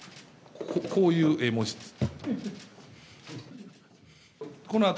こういう絵文字です。